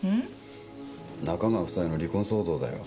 中川夫妻の離婚騒動だよ。